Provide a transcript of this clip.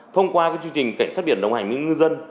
thông qua chương trình cảnh sát biển đồng hành với ngư dân